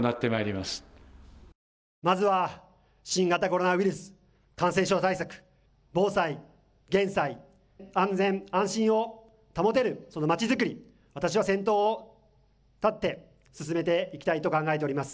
まずは新型コロナウイルス感染症対策、防災、減災、安全安心を保てる街づくりに、私は先頭を立って進めていきたいと考えております。